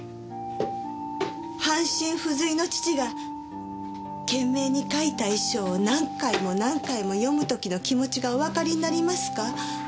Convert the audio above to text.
半身不随の父が懸命に書いた遺書を何回も何回も読む時の気持ちがおわかりになりますか？